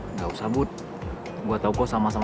nggak usah bud gue tau kok salma sama